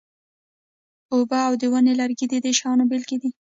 اوبه او د ونې لرګي د دې شیانو بیلګې دي.